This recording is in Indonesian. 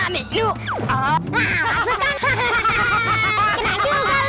kena juga lu